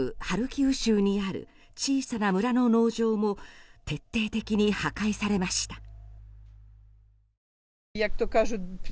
ハルキウ州にある小さな村の農場も徹底的に破壊されました。